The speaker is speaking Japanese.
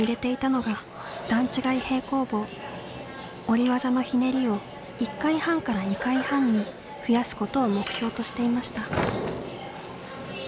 降り技のひねりを１回半から２回半に増やすことを目標としていました。